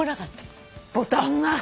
ボタンが。